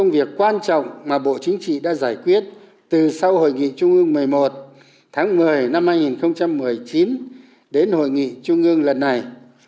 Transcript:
việc quan trọng mà bộ chính trị đã giải quyết từ sau hội nghị trung ương một mươi một tháng một mươi năm hai nghìn một mươi chín đến hội nghị trung ương lần này